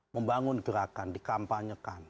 membangun gerakan dikampanyekan